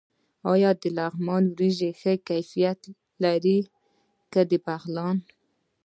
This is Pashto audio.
آیا د لغمان وریجې ښه کیفیت لري که د بغلان؟